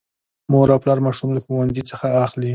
مور او پلا ماشوم له ښوونځي څخه اخلي.